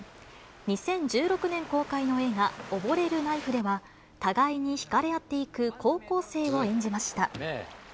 ２０１６年の公開の映画、溺れるナイフでは、互いに引かれ合っていく高校生を演じました。